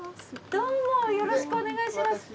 よろしくお願いします。